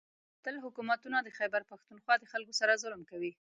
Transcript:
. تل حکومتونه د خېبر پښتونخوا د خلکو سره ظلم کوي